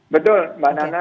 betul mbak nana